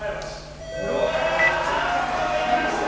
これはチャンスを生かして！